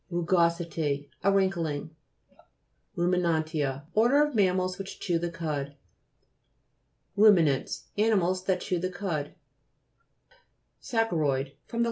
RUGOSITY A wrinkling. RUMINA'NTIA Order of mammals which chew the cud. RUMINANTS Animals that chew the cud. RYA'COLITE (p. 120). SACCHAROID fr.